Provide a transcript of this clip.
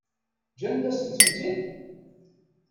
Ǧǧant-asen-tent-id?